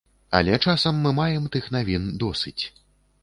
Але часам мы маем тых навін досыць.